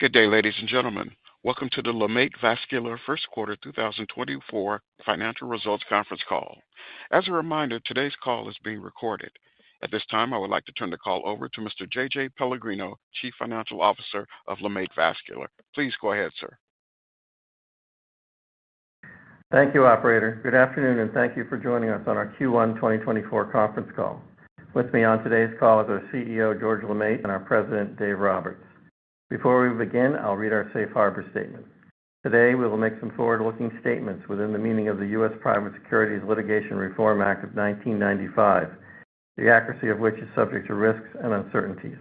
Good day, ladies and gentlemen. Welcome to the LeMaitre Vascular First Quarter 2024 Financial Results Conference Call. As a reminder, today's call is being recorded. At this time, I would like to turn the call over to Mr. J.J. Pellegrino, Chief Financial Officer of LeMaitre Vascular. Please go ahead, sir. Thank you, operator. Good afternoon, and thank you for joining us on our Q1 2024 conference call. With me on today's call is our CEO, George LeMaitre, and our President, Dave Roberts. Before we begin, I'll read our safe harbor statement. Today, we will make some forward-looking statements within the meaning of the U.S. Private Securities Litigation Reform Act of 1995, the accuracy of which is subject to risks and uncertainties.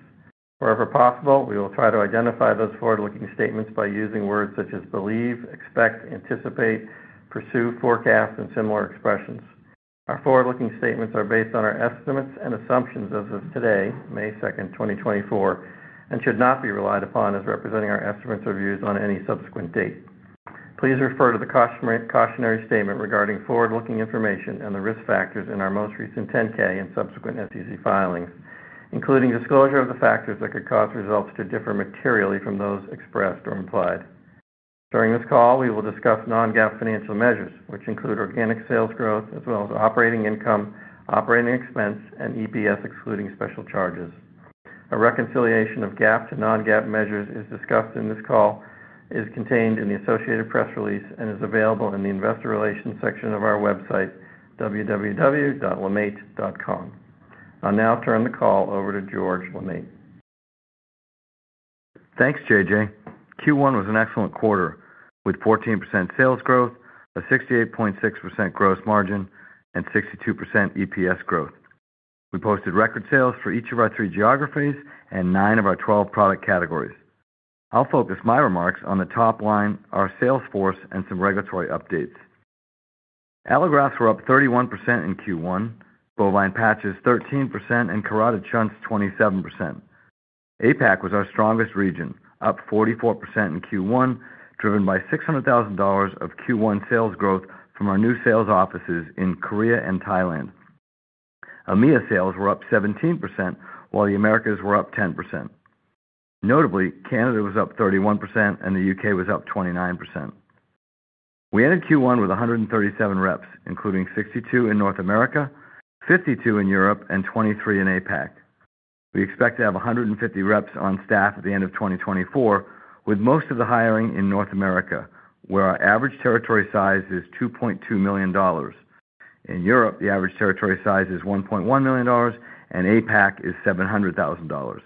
Wherever possible, we will try to identify those forward-looking statements by using words such as believe, expect, anticipate, pursue, forecast, and similar expressions. Our forward-looking statements are based on our estimates and assumptions as of today, May 2nd, 2024, and should not be relied upon as representing our estimates or views on any subsequent date. Please refer to the cautionary statement regarding forward-looking information and the risk factors in our most recent 10-K and subsequent SEC filings, including disclosure of the factors that could cause results to differ materially from those expressed or implied. During this call, we will discuss non-GAAP financial measures, which include organic sales growth as well as operating income, operating expense, and EPS, excluding special charges. A reconciliation of GAAP to non-GAAP measures is discussed in this call, is contained in the associated press release, and is available in the investor relations section of our website, www.lemaitre.com. I'll now turn the call over to George LeMaitre. Thanks, JJ. Q1 was an excellent quarter, with 14% sales growth, a 68.6% gross margin, and 62% EPS growth. We posted record sales for each of our three geographies and nine of our 12 product categories. I'll focus my remarks on the top line, our sales force, and some regulatory updates. Allografts were up 31% in Q1, Bovine patches, 13%, and Carotid shunts, 27%. APAC was our strongest region, up 44% in Q1, driven by $600,000 of Q1 sales growth from our new sales offices in Korea and Thailand. EMEA sales were up 17%, while the Americas were up 10%. Notably, Canada was up 31% and the U.K. was up 29%. We ended Q1 with 137 reps, including 62 in North America, 52 in Europe, and 23 in APAC. We expect to have 150 reps on staff at the end of 2024, with most of the hiring in North America, where our average territory size is $2.2 million. In Europe, the average territory size is $1.1 million, and APAC is $700,000.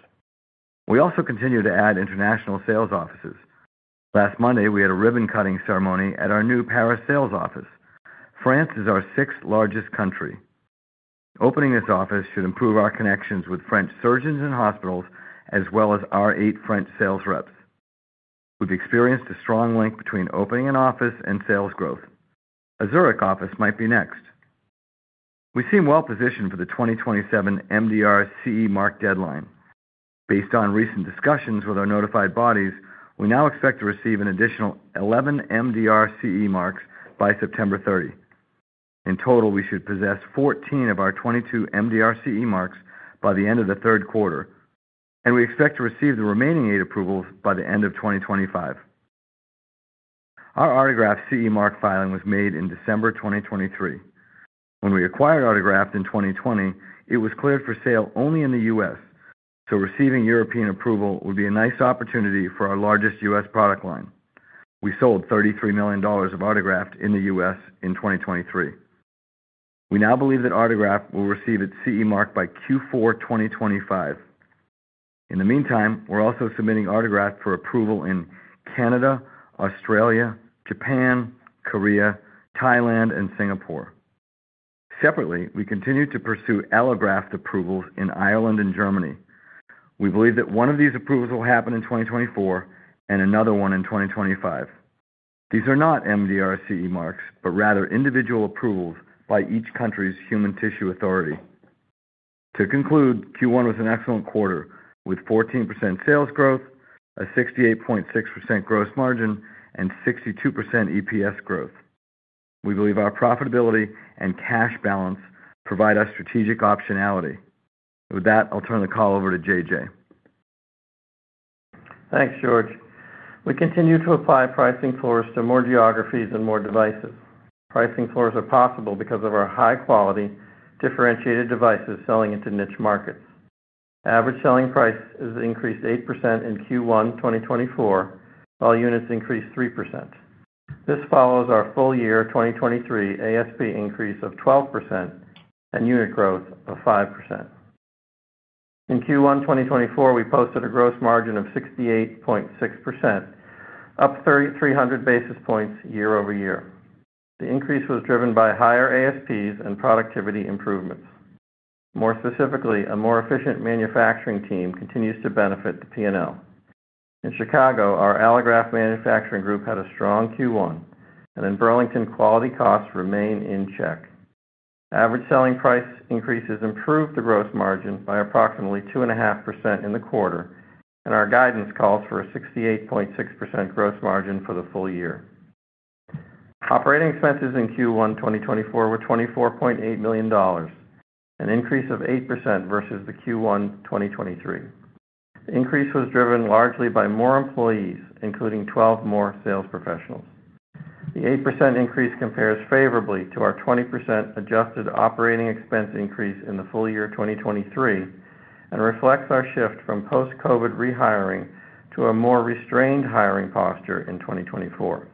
We also continue to add international sales offices. Last Monday, we had a ribbon-cutting ceremony at our new Paris sales office. France is our sixth largest country. Opening this office should improve our connections with French surgeons and hospitals, as well as our eight French sales reps. We've experienced a strong link between opening an office and sales growth. A Zurich office might be next. We seem well-positioned for the 2027 MDR CE mark deadline. Based on recent discussions with our notified bodies, we now expect to receive an additional 11 MDR CE marks by September 30. In total, we should possess 14 of our 22 MDR CE marks by the end of the third quarter, and we expect to receive the remaining eight approvals by the end of 2025. Our Artegraft CE mark filing was made in December 2023. When we acquired Artegraft in 2020, it was cleared for sale only in the U.S., so receiving European approval would be a nice opportunity for our largest U.S. product line. We sold $33 million of Artegraft in the U.S. in 2023. We now believe that Artegraft will receive its CE mark by Q4 2025. In the meantime, we're also submitting Artegraft for approval in Canada, Australia, Japan, Korea, Thailand, and Singapore. Separately, we continue to pursue Allograft approvals in Ireland and Germany. We believe that one of these approvals will happen in 2024 and another one in 2025. These are not MDR CE marks, but rather individual approvals by each country's human tissue authority. To conclude, Q1 was an excellent quarter, with 14% sales growth, a 68.6% gross margin, and 62% EPS growth. We believe our profitability and cash balance provide us strategic optionality. With that, I'll turn the call over to JJ. Thanks, George. We continue to apply pricing floors to more geographies and more devices. Pricing floors are possible because of our high-quality, differentiated devices selling into niche markets. Average selling price has increased 8% in Q1 2024, while units increased 3%. This follows our full year 2023 ASP increase of 12% and unit growth of 5%. In Q1 2024, we posted a gross margin of 68.6%, up 3,300 basis points year-over-year. The increase was driven by higher ASPs and productivity improvements. More specifically, a more efficient manufacturing team continues to benefit the PNL. In Chicago, our Allograft manufacturing group had a strong Q1, and in Burlington, quality costs remain in check. Average selling price increases improved the gross margin by approximately 2.5% in the quarter, and our guidance calls for a 68.6% gross margin for the full year. Operating expenses in Q1 2024 were $24.8 million, an increase of 8% versus the Q1 2023. The increase was driven largely by more employees, including 12 more sales professionals. The 8% increase compares favorably to our 20% adjusted operating expense increase in the full year 2023, and reflects our shift from post-COVID rehiring to a more restrained hiring posture in 2024.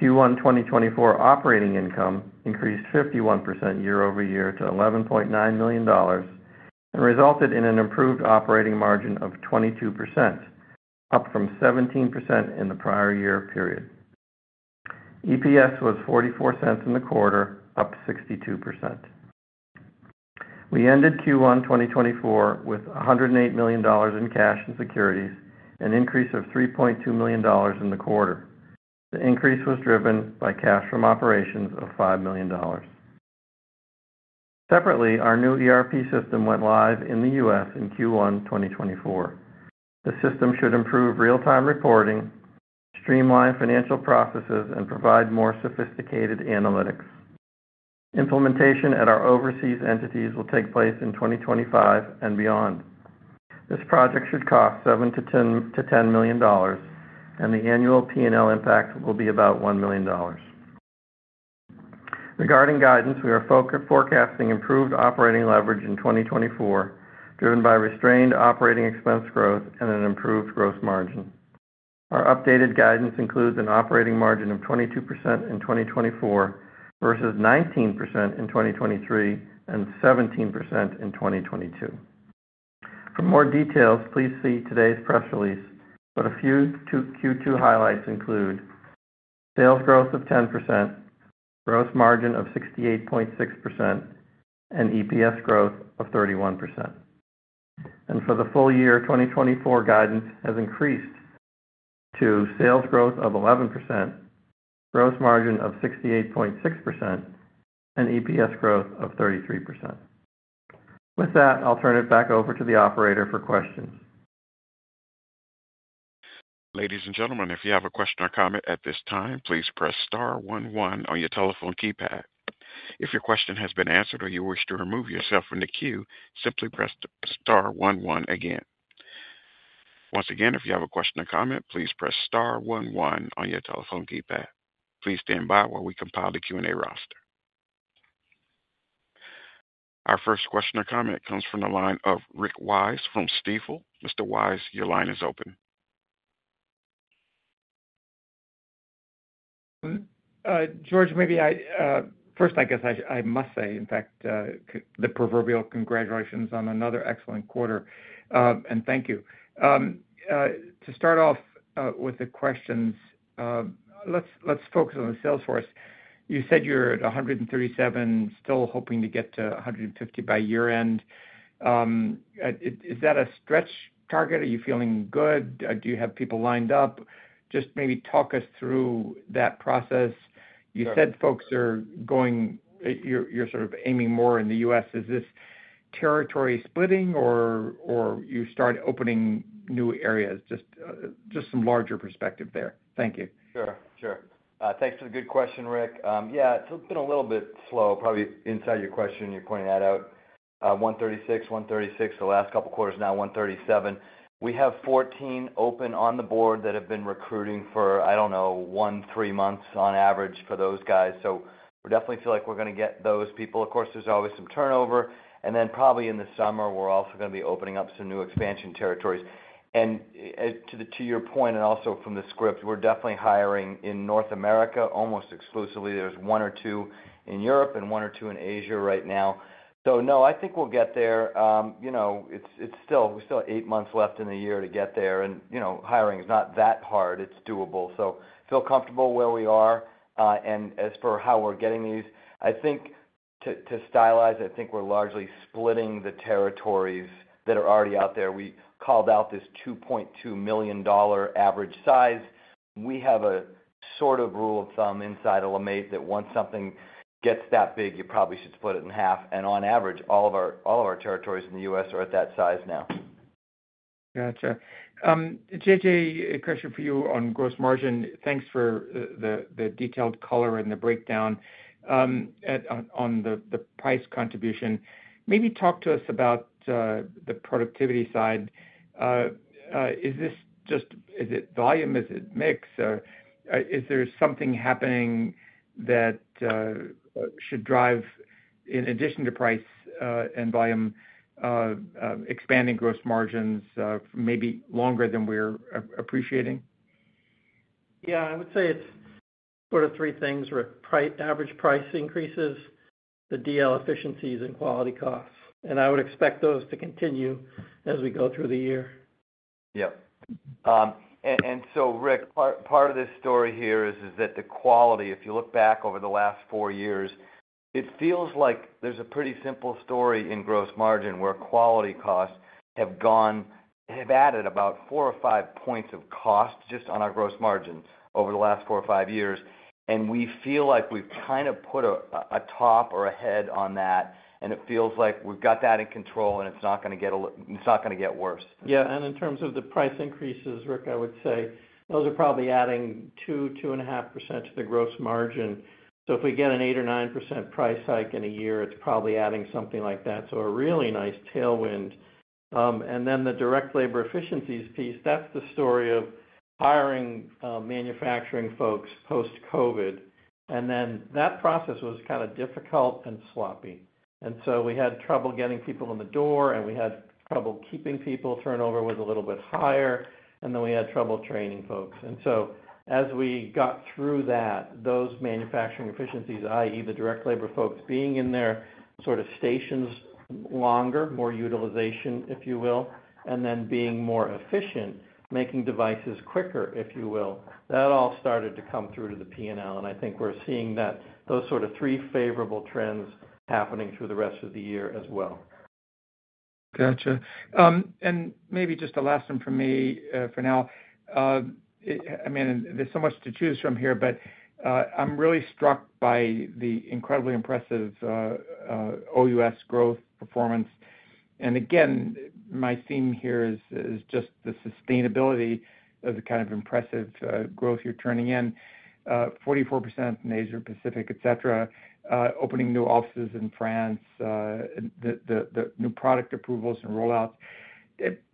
Q1 2024 operating income increased 51% year-over-year to $11.9 million, and resulted in an improved operating margin of 22%, up from 17% in the prior year period. EPS was $0.44 in the quarter, up 62%. We ended Q1 2024 with $108 million in cash and securities, an increase of $3.2 million in the quarter. The increase was driven by cash from operations of $5 million. Separately, our new ERP system went live in the U.S. in Q1 2024. The system should improve real-time reporting, streamline financial processes, and provide more sophisticated analytics. Implementation at our overseas entities will take place in 2025 and beyond. This project should cost $7 million-$10 million, and the annual P&L impact will be about $1 million. Regarding guidance, we are forecasting improved operating leverage in 2024, driven by restrained operating expense growth and an improved gross margin. Our updated guidance includes an operating margin of 22% in 2024 versus 19% in 2023, and 17% in 2022. For more details, please see today's press release, but Q2 highlights include: sales growth of 10%, gross margin of 68.6%, and EPS growth of 31%. For the full year, 2024 guidance has increased to sales growth of 11%, gross margin of 68.6%, and EPS growth of 33%. With that, I'll turn it back over to the operator for questions. Ladies and gentlemen, if you have a question or comment at this time, please press star one one on your telephone keypad. If your question has been answered or you wish to remove yourself from the queue, simply press star one one again. Once again, if you have a question or comment, please press star one one on your telephone keypad. Please stand by while we compile the Q&A roster. Our first question or comment comes from the line of Rick Wise from Stifel. Mr. Wise, your line is open. George, maybe I first, I guess I must say, in fact, the proverbial congratulations on another excellent quarter, and thank you. To start off with the questions, let's focus on the sales force. You said you're at 137, still hoping to get to 150 by year-end. Is that a stretch target? Are you feeling good? Do you have people lined up? Just maybe talk us through that process. You said folks are going... You're sort of aiming more in the U.S. Is this territory splitting or you start opening new areas? Just some larger perspective there. Thank you. Sure, sure. Thanks for the good question, Rick. Yeah, it's been a little bit slow, probably inside your question, you're pointing that out. 136, 136 the last couple of quarters, now 137. We have 14 open on the board that have been recruiting for, I don't know, one, three months on average for those guys. So we definitely feel like we're gonna get those people. Of course, there's always some turnover, and then probably in the summer, we're also gonna be opening up some new expansion territories. And to your point, and also from the script, we're definitely hiring in North America, almost exclusively. There's one or two in Europe and one or two in Asia right now. So no, I think we'll get there. You know, it's still, we still have eight months left in the year to get there, and, you know, hiring is not that hard. It's doable. So feel comfortable where we are. And as for how we're getting these, I think to stylize, I think we're largely splitting the territories that are already out there. We called out this $2.2 million average size. We have a sort of rule of thumb inside of LeMaitre, that once something gets that big, you probably should split it in half, and on average, all of our, all of our territories in the U.S. are at that size now. Gotcha. JJ, a question for you on gross margin. Thanks for the detailed color and the breakdown on the price contribution. Maybe talk to us about the productivity side. Is this just - is it volume? Is it mix? Is there something happening that should drive in addition to price and volume expanding gross margins, maybe longer than we're appreciating? Yeah, I would say it's sort of three things with average price increases, the DL efficiencies, and quality costs, and I would expect those to continue as we go through the year. Yep. And so Rick, part of this story here is that the quality, if you look back over the last four years, it feels like there's a pretty simple story in gross margin, where quality costs have gone... have added about 4 or 5 points of cost just on our gross margins over the last four or five years, and we feel like we've kind of put a top or a head on that, and it feels like we've got that in control, and it's not going to get a-- it's not going to get worse. Yeah, and in terms of the price increases, Rick, I would say those are probably adding 2%-2.5% to the gross margin. So if we get an 8% or 9% price hike in a year, it's probably adding something like that. So a really nice tailwind. And then the direct labor efficiencies piece, that's the story of hiring manufacturing folks post-COVID. And then that process was kind of difficult and sloppy. And so we had trouble getting people in the door, and we had trouble keeping people. Turnover was a little bit higher, and then we had trouble training folks. And so as we got through that, those manufacturing efficiencies, i.e., the direct labor folks being in their sort of stations longer, more utilization, if you will, and then being more efficient, making devices quicker, if you will, that all started to come through to the P&L, and I think we're seeing that, those sort of three favorable trends happening through the rest of the year as well. Gotcha. And maybe just a last one from me, for now. I mean, there's so much to choose from here, but, I'm really struck by the incredibly impressive OUS growth performance. And again, my theme here is just the sustainability of the kind of impressive growth you're turning in. 44% in Asia Pacific, et cetera, opening new offices in France, the new product approvals and rollouts.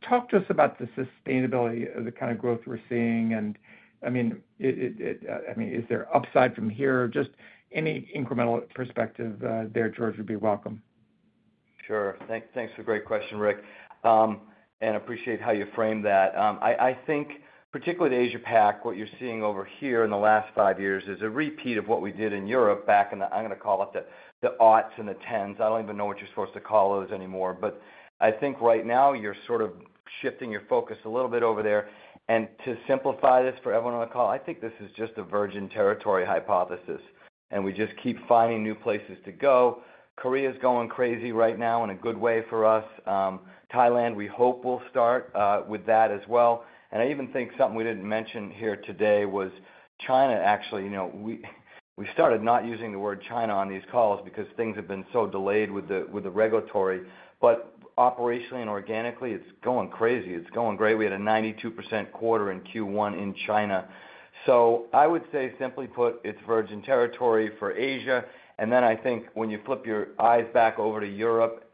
Talk to us about the sustainability of the kind of growth we're seeing, and I mean, I mean, is there upside from here? Just any incremental perspective, there, George, would be welcome. Sure. Thanks for the great question, Rick. And appreciate how you framed that. I think particularly the Asia Pac, what you're seeing over here in the last five years is a repeat of what we did in Europe back in the, I'm going to call it the aughts and the tens. I don't even know what you're supposed to call those anymore, but I think right now you're sort of shifting your focus a little bit over there. And to simplify this for everyone on the call, I think this is just a virgin territory hypothesis, and we just keep finding new places to go. Korea's going crazy right now in a good way for us. Thailand, we hope will start with that as well. And I even think something we didn't mention here today was China, actually. You know, we, we started not using the word China on these calls because things have been so delayed with the, with the regulatory. But operationally and organically, it's going crazy. It's going great. We had a 92% quarter in Q1 in China. So I would say, simply put, it's virgin territory for Asia. And then I think when you flip your eyes back over to Europe,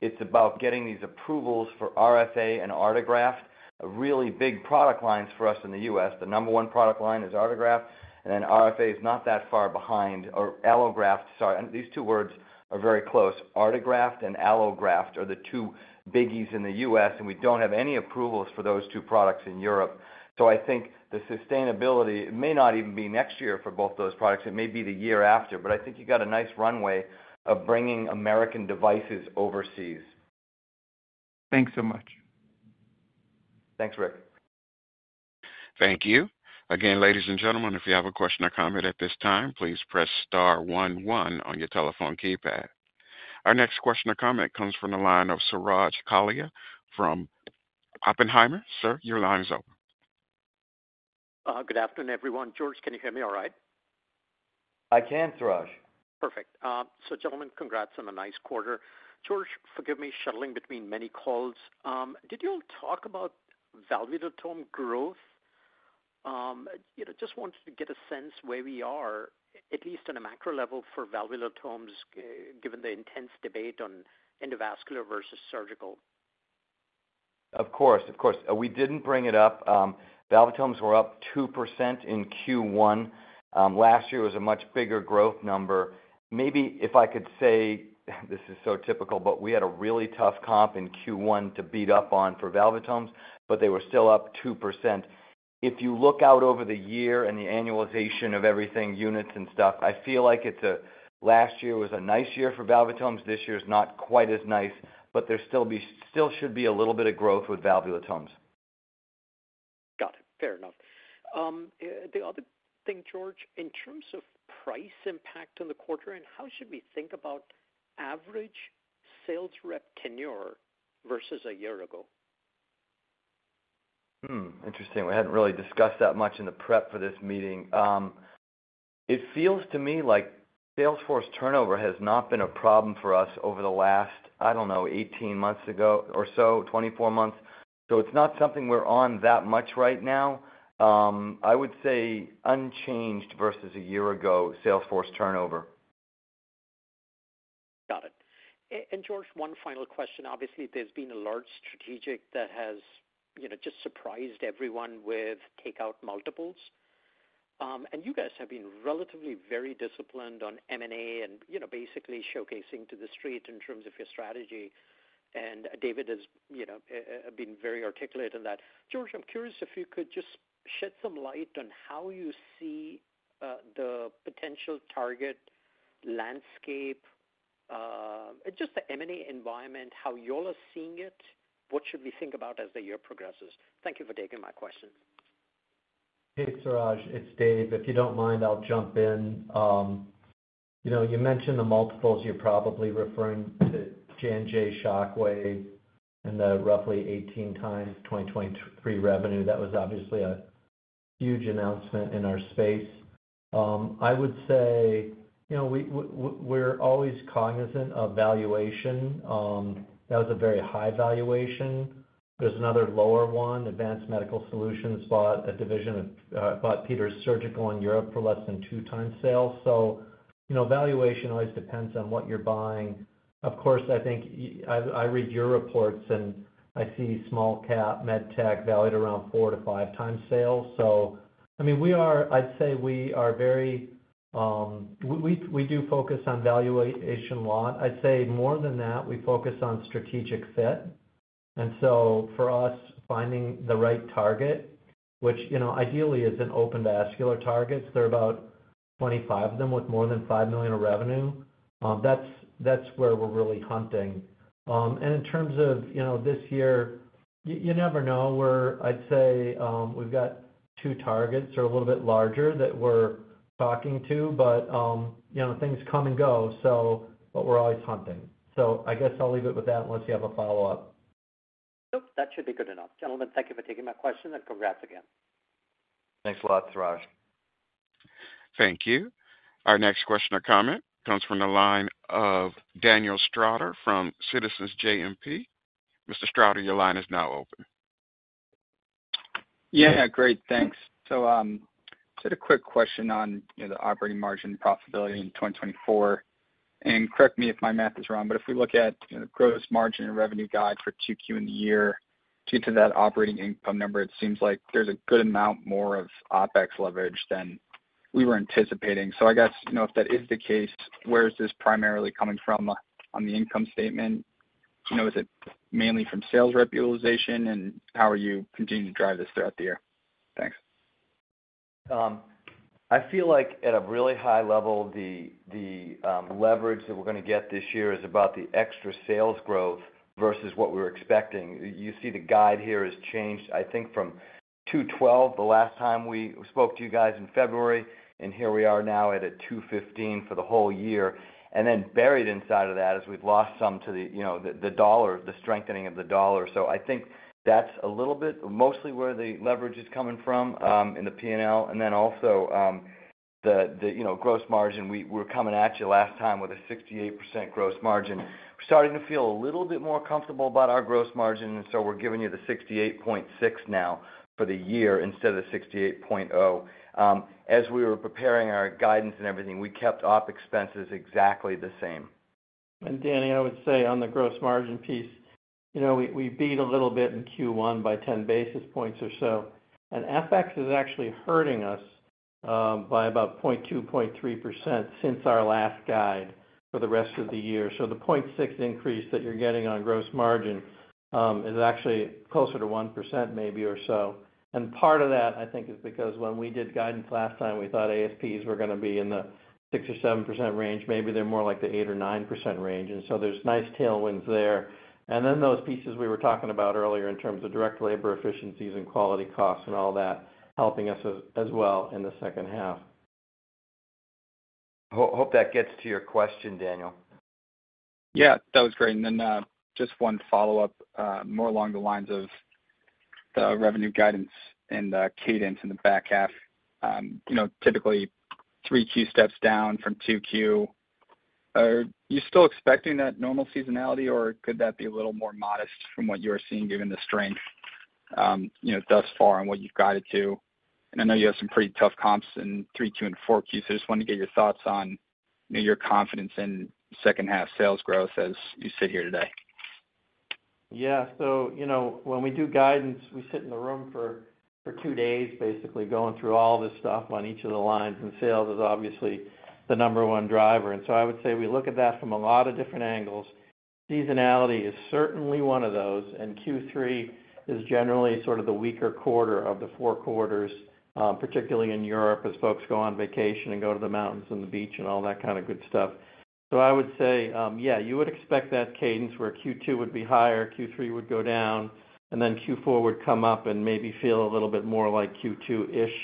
it's about getting these approvals for RFA and Artegraft, really big product lines for us in the U.S. The number one product line is Artegraft, and then RFA is not that far behind. Or Allograft, sorry. These two words are very close. Artegraft and Allograft are the two biggies in the U.S., and we don't have any approvals for those two products in Europe. So, I think the sustainability, it may not even be next year for both those products. It may be the year after, but I think you got a nice runway of bringing American devices overseas. Thanks so much. Thanks, Rick. Thank you. Again, ladies and gentlemen, if you have a question or comment at this time, please press star one, one on your telephone keypad. Our next question or comment comes from the line of Suraj Kalia from Oppenheimer. Sir, your line is open. Good afternoon, everyone. George, can you hear me all right? I can, Suraj. Perfect. So gentlemen, congrats on a nice quarter. George, forgive me, shuttling between many calls. Did you all talk about valvulotome growth? You know, just wanted to get a sense where we are, at least on a macro level for valvulotomes, given the intense debate on endovascular versus surgical. Of course, of course. We didn't bring it up. Valvulotomes were up 2% in Q1. Last year was a much bigger growth number. Maybe if I could say, this is so typical, but we had a really tough comp in Q1 to beat up on for valvulotomes, but they were still up 2%. If you look out over the year and the annualization of everything, units and stuff, I feel like it's a last year was a nice year for valvulotomes. This year is not quite as nice, but still should be a little bit of growth with valvulotomes. Got it. Fair enough. The other thing, George, in terms of price impact on the quarter, and how should we think about average sales rep tenure versus a year ago? Hmm, interesting. We hadn't really discussed that much in the prep for this meeting. It feels to me like sales force turnover has not been a problem for us over the last, I don't know, 18 months ago or so, 24 months. So it's not something we're on that much right now. I would say unchanged versus a year ago, sales force turnover. Got it. And George, one final question. Obviously, there's been a large strategic that has, you know, just surprised everyone with takeout multiples. And you guys have been relatively very disciplined on M&A and, you know, basically showcasing to the street in terms of your strategy. And David has, you know, been very articulate in that. George, I'm curious if you could just shed some light on how you see the potential target landscape, just the M&A environment, how y'all are seeing it, what should we think about as the year progresses? Thank you for taking my question. Hey, Suraj, it's Dave. If you don't mind, I'll jump in. You know, you mentioned the multiples, you're probably referring to J&J Shockwave and the roughly 18x 2023 revenue. That was obviously a huge announcement in our space. I would say, you know, we, we're always cognizant of valuation. That was a very high valuation. There's another lower one. Advanced Medical Solutions bought a division of, bought Peters Surgical in Europe for less than 2x sales. So, you know, valuation always depends on what you're buying. Of course, I think I, I read your reports, and I see small cap med tech valued around 4x-5x sales. So, I mean, we are. I'd say we are very. We, we, we do focus on valuation a lot. I'd say more than that, we focus on strategic fit. And so for us, finding the right target, which, you know, ideally, is an open vascular target. There are about 25 of them, with more than $5 million of revenue. That's where we're really hunting. And in terms of, you know, this year, you never know where. I'd say, we've got two targets that are a little bit larger that we're talking to, but, you know, things come and go, so, but we're always hunting. So I guess I'll leave it with that unless you have a follow-up. Nope, that should be good enough. Gentlemen, thank you for taking my question, and congrats again. Thanks a lot, Suraj. Thank you. Our next question or comment comes from the line of Daniel Stauder from Citizens JMP. Mr. Stauder, your line is now open. Yeah, great, thanks. So, just a quick question on, you know, the operating margin profitability in 2024, and correct me if my math is wrong, but if we look at, you know, the gross margin and revenue guide for 2Q in the year to, to that operating income number, it seems like there's a good amount more of OpEx leverage than we were anticipating. So I guess, you know, if that is the case, where is this primarily coming from on the income statement? You know, is it mainly from sales rep utilization, and how are you continuing to drive this throughout the year? Thanks. I feel like at a really high level, the leverage that we're going to get this year is about the extra sales growth versus what we were expecting. You see, the guide here has changed, I think, from $212 the last time we spoke to you guys in February, and here we are now at $215 for the whole year. And then buried inside of that is we've lost some to the, you know, the dollar, the strengthening of the dollar. So I think that's a little bit, mostly where the leverage is coming from, in the P&L. And then also, the, you know, gross margin, we're coming at you last time with a 68% gross margin. We're starting to feel a little bit more comfortable about our gross margin, and so we're giving you the 68.6% now for the year, instead of the 68.0%. As we were preparing our guidance and everything, we kept OpEx expenses exactly the same. And Daniel, I would say on the gross margin piece, you know, we, we beat a little bit in Q1 by 10 basis points or so, and FX is actually hurting us by about 0.2%-0.3% since our last guide for the rest of the year. So the 0.6% increase that you're getting on gross margin is actually closer to 1% maybe, or so. And part of that, I think, is because when we did guidance last time, we thought ASPs were going to be in the 6%-7% range. Maybe they're more like the 8%-9% range, and so there's nice tailwinds there. And then those pieces we were talking about earlier in terms of direct labor efficiencies and quality costs and all that, helping us as, as well in the second half. Hope that gets to your question, Daniel. Yeah, that was great. Then, just one follow-up, more along the lines of the revenue guidance and cadence in the back half. You know, typically 3Q steps down from 2Q. Are you still expecting that normal seasonality, or could that be a little more modest from what you are seeing given the strength, you know, thus far and what you've guided to? And I know you have some pretty tough comps in 3Q and 4Q, so just wanted to get your thoughts on, you know, your confidence in second half sales growth as you sit here today. Yeah. So, you know, when we do guidance, we sit in the room for two days, basically, going through all this stuff on each of the lines, and sales is obviously the number one driver. So I would say we look at that from a lot of different angles. Seasonality is certainly one of those, and Q3 is generally sort of the weaker quarter of the four quarters, particularly in Europe, as folks go on vacation and go to the mountains and the beach and all that kind of good stuff. So I would say, yeah, you would expect that cadence, where Q2 would be higher, Q3 would go down, and then Q4 would come up and maybe feel a little bit more like Q2-ish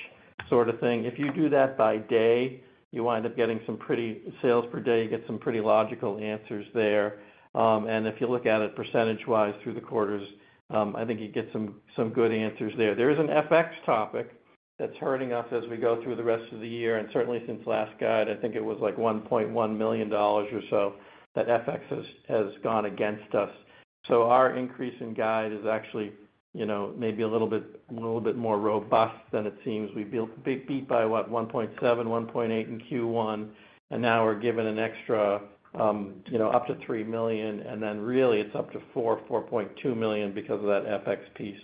sort of thing. If you do that by day, you wind up getting some pretty sales per day, you get some pretty logical answers there. And if you look at it percentage-wise through the quarters, I think you get some good answers there. There is an FX topic that's hurting us as we go through the rest of the year, and certainly since last guide, I think it was like $1.1 million or so, that FX has gone against us. So our increase in guide is actually, you know, maybe a little bit more robust than it seems. We've been beat by, what, $1.7 million, $1.8 million in Q1, and now we're given an extra, you know, up to $3 million, and then really it's up to $4 million, $4.2 million because of that FX piece.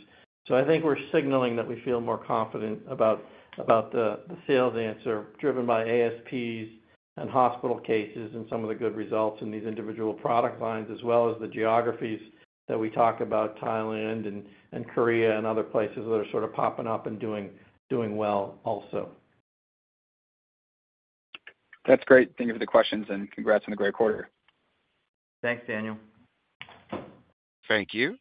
So I think we're signaling that we feel more confident about the sales answer, driven by ASPs and hospital cases and some of the good results in these individual product lines, as well as the geographies that we talk about, Thailand and Korea and other places that are sort of popping up and doing well also. That's great. Thank you for the questions, and congrats on the great quarter. Thanks, Daniel. Thank you.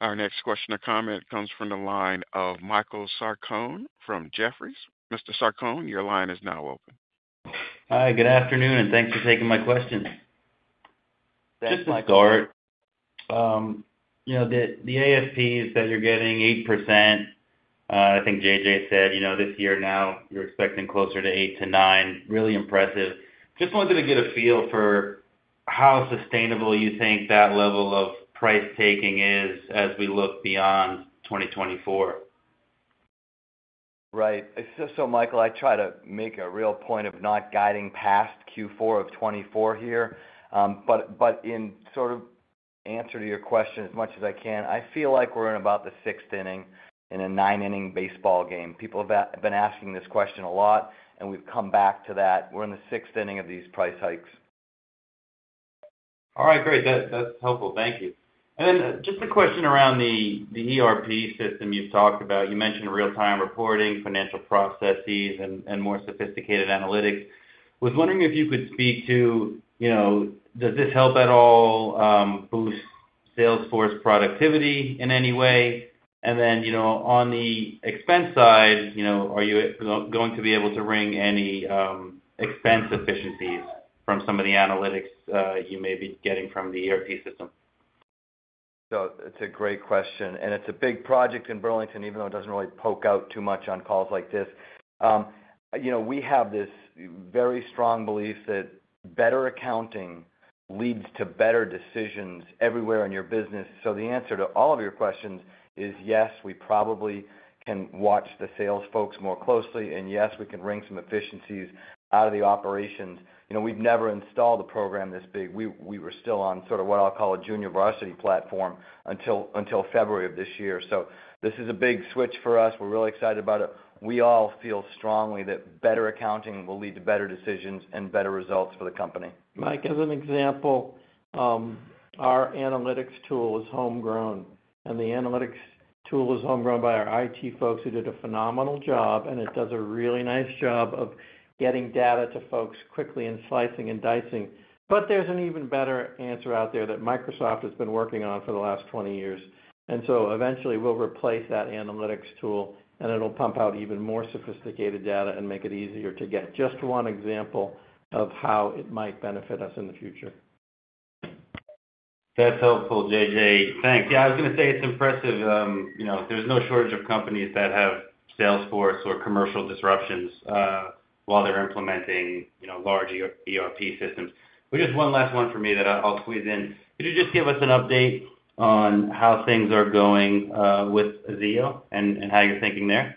Our next question or comment comes from the line of Michael Sarcone from Jefferies. Mr. Sarcone, your line is now open. Hi, good afternoon, and thanks for taking my question. Just like Art, you know, the ASPs that you're getting 8%, I think J.J. said, you know, this year now you're expecting closer to 8%-9%. Really impressive. Just wanted to get a feel for how sustainable you think that level of price taking is as we look beyond 2024. Right. So, Michael, I try to make a real point of not guiding past Q4 of 2024 here, but in sort of answer to your question as much as I can, I feel like we're in about the sixth inning in a nine-inning baseball game. People have been asking this question a lot, and we've come back to that. We're in the sixth inning of these price hikes. All right, great. That's helpful. Thank you. And then just a question around the ERP system you talked about. You mentioned real-time reporting, financial processes, and more sophisticated analytics. Was wondering if you could speak to, you know, does this help at all, boost sales force productivity in any way? And then, you know, on the expense side, you know, are you going to be able to wring any expense efficiencies from some of the analytics you may be getting from the ERP system? So it's a great question, and it's a big project in Burlington, even though it doesn't really poke out too much on calls like this. You know, we have this very strong belief that better accounting leads to better decisions everywhere in your business. So the answer to all of your questions is yes, we probably can watch the sales folks more closely, and, yes, we can wring some efficiencies out of the operations. You know, we've never installed a program this big. We were still on sort of what I'll call a junior varsity platform until February of this year. So this is a big switch for us. We're really excited about it. We all feel strongly that better accounting will lead to better decisions and better results for the company. Mike, as an example, our analytics tool is homegrown, and the analytics tool is homegrown by our IT folks who did a phenomenal job, and it does a really nice job of getting data to folks quickly and slicing and dicing. But there's an even better answer out there that Microsoft has been working on for the last 20 years, and so eventually, we'll replace that analytics tool, and it'll pump out even more sophisticated data and make it easier to get just one example of how it might benefit us in the future. That's helpful, JJ. Thanks. Yeah, I was gonna say it's impressive, you know, there's no shortage of companies that have sales force or commercial disruptions while they're implementing, you know, large ERP systems. But just one last one for me that I, I'll squeeze in. Could you just give us an update on how things are going with Aziyo and how you're thinking there?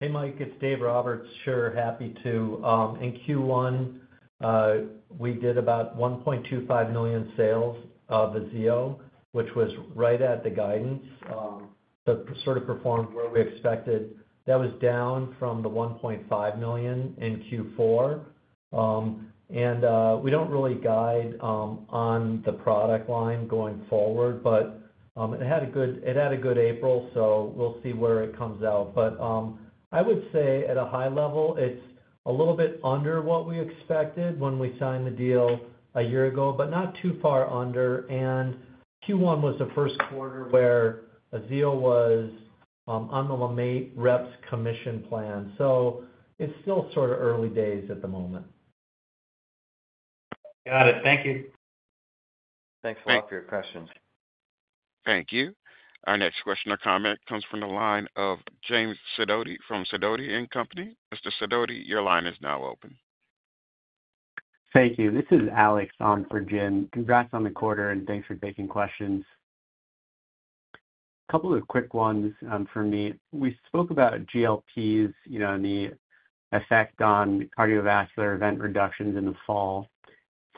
Hey, Mike, it's Dave Roberts. Sure, happy to. In Q1, we did about $1.25 million sales of Aziyo, which was right at the guidance, so sort of performed where we expected. That was down from the $1.5 million in Q4. And, we don't really guide on the product line going forward, but, it had a good, it had a good April, so we'll see where it comes out. But, I would say at a high level, it's a little bit under what we expected when we signed the deal a year ago, but not too far under. And Q1 was the first quarter where Aziyo was on the LeMaitre reps' commission plan, so it's still sort of early days at the moment. Got it. Thank you. Thanks a lot for your questions. Thank you. Our next question or comment comes from the line of James Sidoti from Sidoti & Company. Mr. Sidoti, your line is now open. Thank you. This is Alex on for Jim. Congrats on the quarter, and thanks for taking questions. Couple of quick ones for me. We spoke about GLPs, you know, and the effect on cardiovascular event reductions in the fall.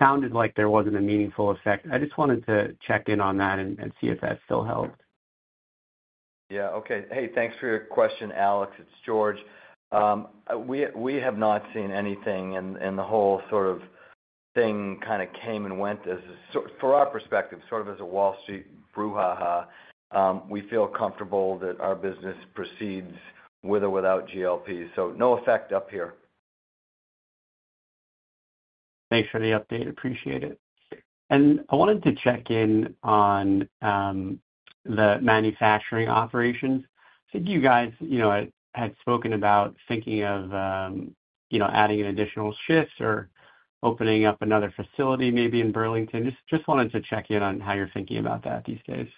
Sounded like there wasn't a meaningful effect. I just wanted to check in on that and see if that still held. Yeah. Okay. Hey, thanks for your question, Alex. It's George. We have not seen anything, and the whole sort of thing kind of came and went as... So from our perspective, sort of as a Wall Street brouhaha, we feel comfortable that our business proceeds with or without GLP, so no effect up here. Thanks for the update. Appreciate it. I wanted to check in on the manufacturing operations. You guys, you know, had spoken about thinking of, you know, adding an additional shift or opening up another facility, maybe in Burlington. Just wanted to check in on how you're thinking about that these days.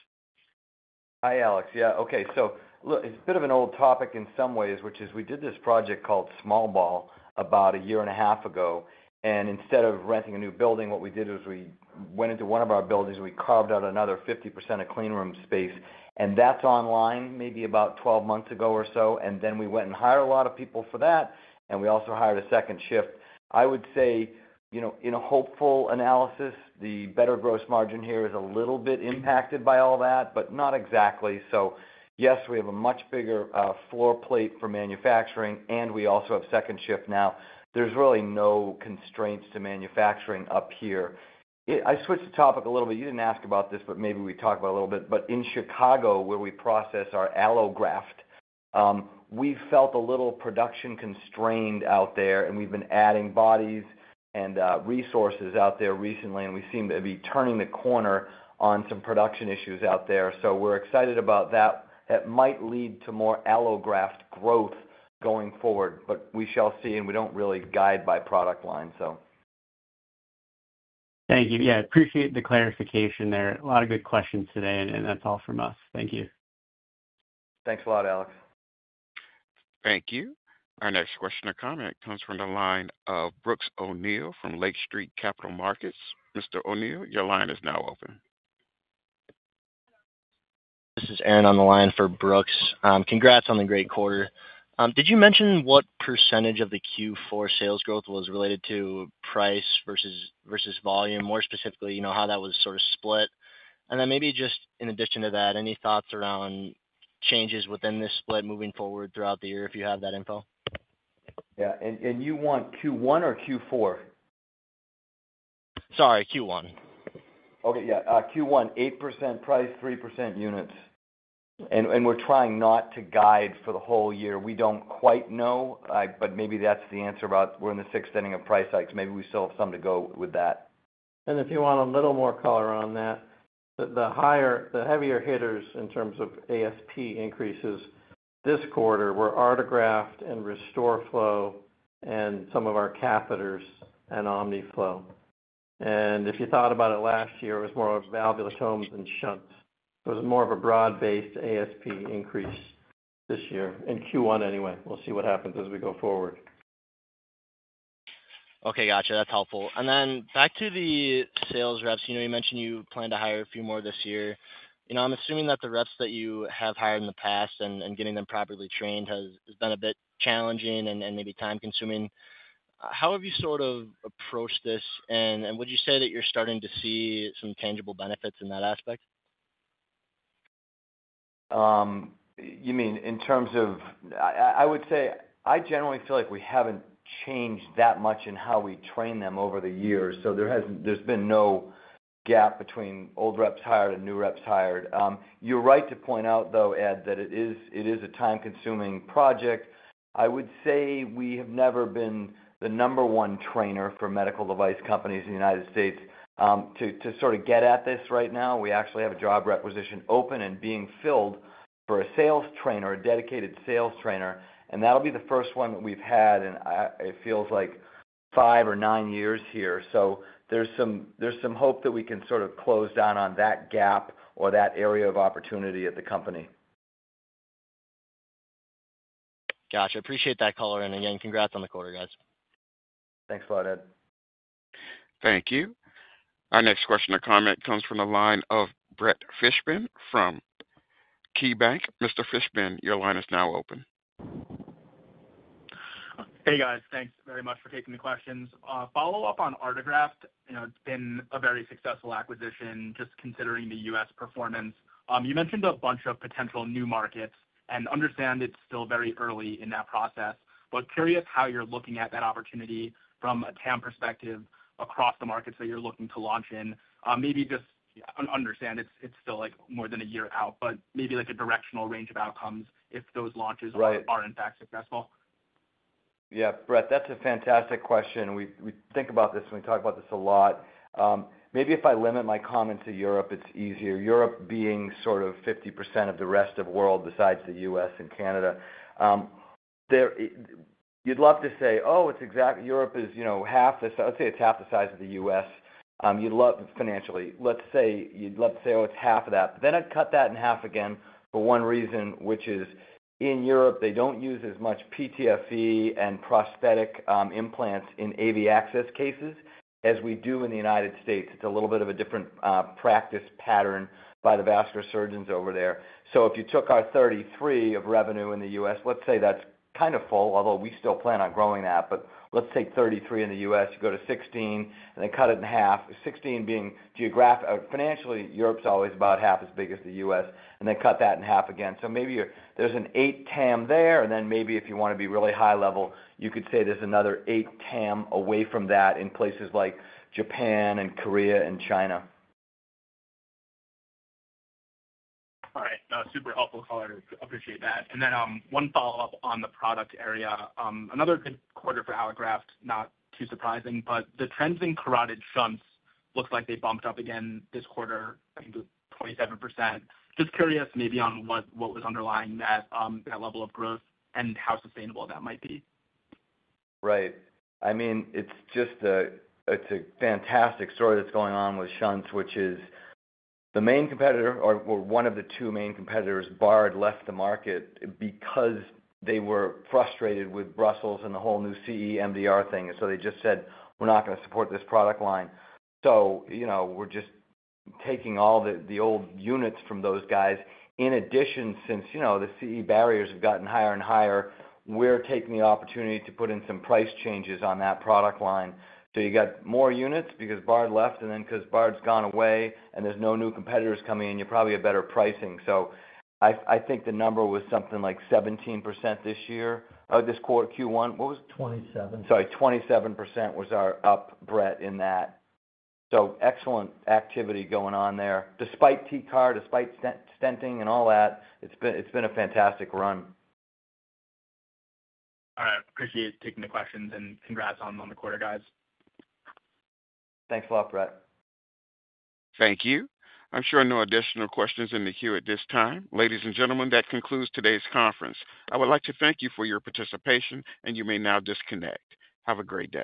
Hi, Alex. Yeah. Okay, so look, it's a bit of an old topic in some ways, which is we did this project called Small Ball about a year and a half ago, and instead of renting a new building, what we did is we went into one of our buildings, and we carved out another 50% of clean room space, and that's online, maybe about 12 months ago or so. And then we went and hired a lot of people for that, and we also hired a second shift. I would say, you know, in a hopeful analysis, the better gross margin here is a little bit impacted by all that, but not exactly. So yes, we have a much bigger floor plate for manufacturing, and we also have second shift now. There's really no constraints to manufacturing up here. I switched the topic a little bit. You didn't ask about this, but maybe we talked about a little bit, but in Chicago, where we process our allograft, we felt a little production constrained out there, and we've been adding bodies and resources out there recently, and we seem to be turning the corner on some production issues out there. So we're excited about that. That might lead to more allograft growth going forward, but we shall see, and we don't really guide by product line, so. Thank you. Yeah, I appreciate the clarification there. A lot of good questions today, and that's all from us. Thank you. Thanks a lot, Alex. Thank you. Our next question or comment comes from the line of Brooks O'Neil from Lake Street Capital Markets. Mr. O'Neil, your line is now open. This is Aaron on the line for Brooks. Congrats on the great quarter. Did you mention what percentage of the Q4 sales growth was related to price versus, versus volume? More specifically, you know, how that was sort of split. And then maybe just in addition to that, any thoughts around changes within this split moving forward throughout the year, if you have that info? Yeah, and you want Q1 or Q4? Sorry, Q1. Okay, yeah. Q1, 8% price, 3% units. We're trying not to guide for the whole year. We don't quite know, I—but maybe that's the answer about we're in the sixth inning of price hikes. Maybe we still have some to go with that. If you want a little more color on that, the heavier hitters in terms of ASP increases this quarter were Artegraft and RestoreFlow and some of our catheters and Omniflow. If you thought about it last year, it was more of valvulotomes than shunts. It was more of a broad-based ASP increase this year, in Q1 anyway. We'll see what happens as we go forward. Okay, gotcha. That's helpful. And then back to the sales reps. You know, you mentioned you plan to hire a few more this year. You know, I'm assuming that the reps that you have hired in the past and getting them properly trained has been a bit challenging and maybe time-consuming. How have you sort of approached this, and would you say that you're starting to see some tangible benefits in that aspect? You mean in terms of... I would say, I generally feel like we haven't changed that much in how we train them over the years, so there hasn't—there's been no gap between old reps hired and new reps hired. You're right to point out, though, Ed, that it is a time-consuming project. I would say we have never been the number one trainer for medical device companies in the United States. To sort of get at this right now, we actually have a job requisition open and being filled for a sales trainer, a dedicated sales trainer, and that'll be the first one we've had in, it feels like five or nine years here. So there's some hope that we can sort of close down on that gap or that area of opportunity at the company. Gotcha. Appreciate that color, and again, congrats on the quarter, guys. Thanks a lot, Ed. Thank you. Our next question or comment comes from the line of Brett Fishman from KeyBanc. Mr. Fishman, your line is now open. Hey, guys. Thanks very much for taking the questions. Follow up on Artegraft. You know, it's been a very successful acquisition, just considering the U.S. performance. You mentioned a bunch of potential new markets, and understand it's still very early in that process, but curious how you're looking at that opportunity from a TAM perspective across the markets that you're looking to launch in. Maybe just, I understand it's, it's still, like, more than a year out, but maybe like a directional range of outcomes if those launches- Right are in fact successful. Yeah, Brett, that's a fantastic question. We, we think about this, and we talk about this a lot. Maybe if I limit my comment to Europe, it's easier. Europe being sort of 50% of the rest of world besides the U.S. and Canada. You'd love to say, "Oh, it's exact- Europe is, you know, half the..." I'd say it's half the size of the U.S. You'd love financially. Let's say, you'd love to say, "Oh, it's half of that." But then I'd cut that in half again for one reason, which is, in Europe, they don't use as much PTFE and prosthetic implants in AV access cases as we do in the United States. It's a little bit of a different practice pattern by the vascular surgeons over there. So if you took our $33 million of revenue in the U.S., let's say that's kind of full, although we still plan on growing that, but let's take $33 million in the U.S., you go to $16 million, and then cut it in half, $16 million being geographically, financially, Europe's always about half as big as the U.S., and then cut that in half again. So maybe there's an $8 million TAM there, and then maybe if you wanna be really high level, you could say there's another $8 million TAM away from that in places like Japan and Korea and China. All right. Super helpful color. Appreciate that. And then, one follow-up on the product area. Another good quarter for Allograft, not too surprising, but the trends in Carotid shunts looks like they bumped up again this quarter, I think, 27%. Just curious maybe on what, what was underlying that, that level of growth and how sustainable that might be. Right. I mean, it's just a, it's a fantastic story that's going on with shunts, which is the main competitor or, or one of the two main competitors, Bard, left the market because they were frustrated with Brussels and the whole new CE MDR thing. So they just said, "We're not gonna support this product line." So, you know, we're just taking all the, the old units from those guys. In addition, since, you know, the CE barriers have gotten higher and higher, we're taking the opportunity to put in some price changes on that product line. So you got more units because Bard left, and then because Bard's gone away and there's no new competitors coming in, you probably have better pricing. So I, I think the number was something like 17% this year, or this quarter, Q1. What was it? 27%. Sorry, 27% was our up, Brett, in that. So excellent activity going on there. Despite TCAR, despite stent, stenting and all that, it's been, it's been a fantastic run. All right. Appreciate you taking the questions, and congrats on the quarter, guys. Thanks a lot, Brett. Thank you. I'm sure no additional questions in the queue at this time. Ladies and gentlemen, that concludes today's conference. I would like to thank you for your participation, and you may now disconnect. Have a great day.